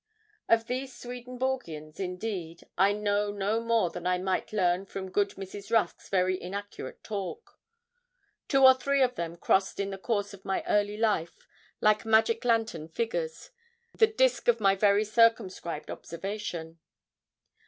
Of these Swedenborgians, indeed, I know no more than I might learn from good Mrs. Rusk's very inaccurate talk. Two or three of them crossed in the course of my early life, like magic lantern figures, the disk of my very circumscribed observation.